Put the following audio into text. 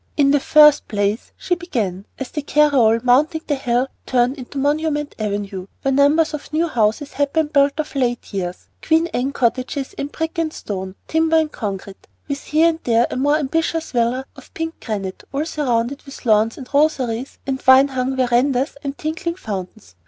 "In the first place," she began, as the carryall, mounting the hill, turned into Monument Avenue, where numbers of new houses had been built of late years, Queen Anne cottages in brick and stone, timber, and concrete, with here and there a more ambitious "villa" of pink granite, all surrounded with lawns and rosaries and vine hung verandas and tinkling fountains.